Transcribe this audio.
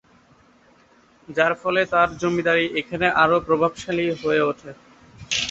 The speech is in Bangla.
যার ফলে তার জমিদারী এখানে আরো প্রভাবশালী হয়ে উঠে।